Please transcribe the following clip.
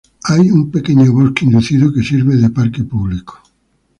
Hay un pequeño bosque inducido que sirve de parque público.